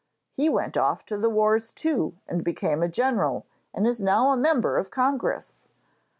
'He went off to the wars too, and became a general, and is now a member of Congress.'